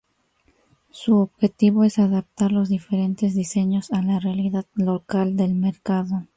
Su objetivo es adaptar los diferentes diseños a la realidad local del mercado.